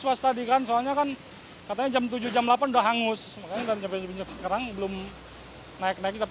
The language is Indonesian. was tadi kan soalnya kan katanya jam tujuh jam delapan udah hangus makanya sekarang belum naik naik tapi